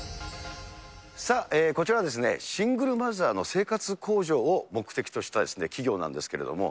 さあ、こちらはですね、シングルマザーの生活向上を目的とした企業なんですけれども、